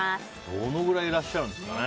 どのぐらいいらっしゃいますかね？